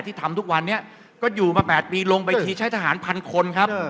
ที่ทำทุกวันนี้ก็อยู่มาแปดปีลงไปที่ใช้ทหารพันคนครับ